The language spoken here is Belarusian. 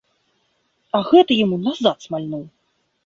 А гэты яму назад смальнуў.